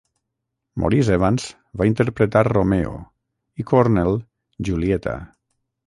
Maurice Evans va interpretar Romeo i Cornell, Julieta.